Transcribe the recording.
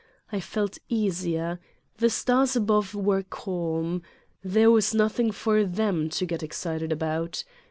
I felt easier. The stars above were calm. There was nothing for them to get excited about.